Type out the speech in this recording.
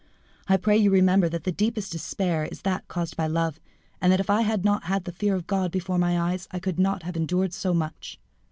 I pray you remember that the deepest despair is that caused by love, and that if I had not had the fear of God before my eyes I could not have endured so much."